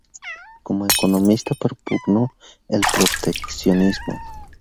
Como economista propugnó el proteccionismo.